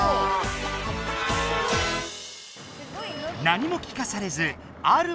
何も聞かされずある